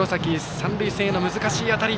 三塁線への難しい当たり。